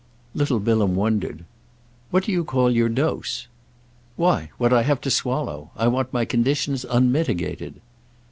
Little Bilham wondered. "What do you call your dose?" "Why what I have to swallow. I want my conditions unmitigated."